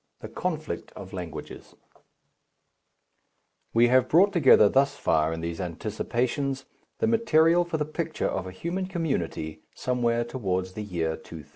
VII THE CONFLICT OF LANGUAGES We have brought together thus far in these Anticipations the material for the picture of a human community somewhere towards the year 2000.